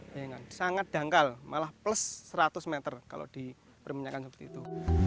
bayangan sangat dangkal malah plus seratus meter kalau diperminyakan seperti itu